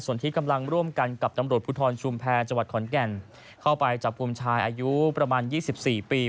ส่วนที่กำลังร่วมกันกับตำรวจภูทรชุมแพรจขอนแก่นเข้าไปจับภูมิชายอายุประมาณ๒๔ปี